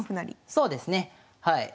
そうですねはい。